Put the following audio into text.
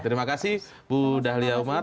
terima kasih bu dahlia umar